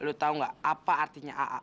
lo tau nggak apa artinya aa